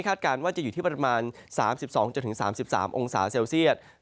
การว่าจะอยู่ที่ประมาณ๓๒๓๓องศาเซลเซียต